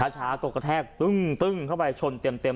ช้าก็กระแทกตึ้งเข้าไปชนเต็ม